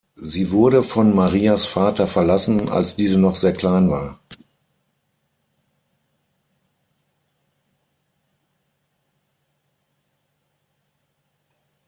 Sie wurde von Marias Vater verlassen, als diese noch sehr klein war.